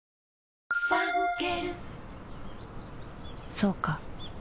そうか